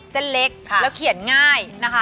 เส้นเล็กแล้วเขียนง่ายนะคะ